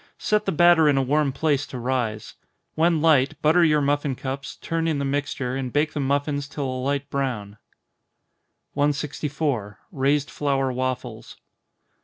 Set the batter in a warm place to rise. When light, butter your muffin cups, turn in the mixture, and bake the muffins till a light brown. 164. _Raised Flour Waffles.